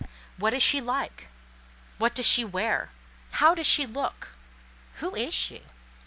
What is she like? What does she wear? How does she look? Who is she?